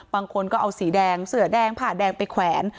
บางคนก็เอาสีแดงเสือแดงผ่าแดงไปแขวน